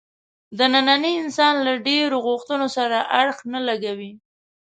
د ننني انسان له ډېرو غوښتنو سره اړخ نه لګوي.